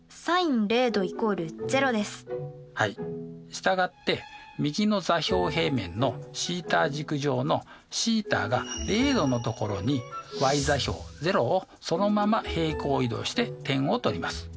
従って右の座標平面のθ軸上のθが０°のところにｙ座標０をそのまま平行移動して点を取ります。